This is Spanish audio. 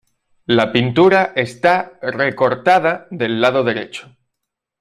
La pintura está recortada del lado derecho.